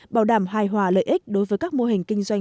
bảo đảm hài hòa lợi ích đối với các mô hình kinh doanh